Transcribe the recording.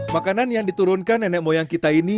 makanan yang diturunkan nenek moyang kita ini